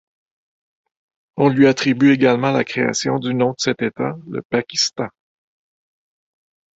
On lui attribue également la création du nom de cet État, le Pakistan.